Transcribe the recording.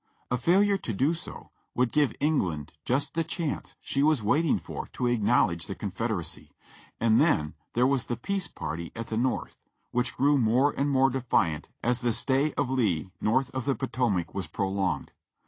A failure to do so would give England just the chance she was waiting for to acknowledge the Confederacy ; and then there was the Peace party at the North, that grew more and more defiant as the stay of Lee north of the Potomac was pro longed.